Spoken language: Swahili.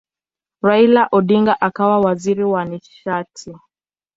Raila Odinga akawa waziri wa nishati.